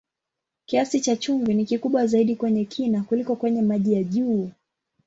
Kiasi cha chumvi ni kikubwa zaidi kwenye kina kuliko kwenye maji ya juu.